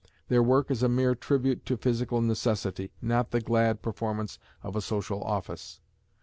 Their work is a mere tribute to physical necessity, not the glad performance of a social office.